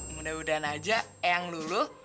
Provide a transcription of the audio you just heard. mudah mudahan aja eyang dulu